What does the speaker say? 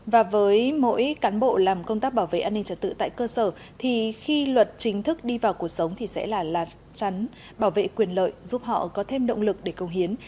và với mỗi cán bộ làm công tác bảo vệ an ninh trật tự tại cơ sở thì khi luật chính thức đi vào cuộc sống thì sẽ là chắn bảo vệ quyền lợi giúp họ có thêm động lực để công hiến